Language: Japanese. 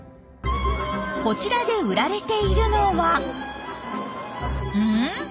こちらで売られているのはうん？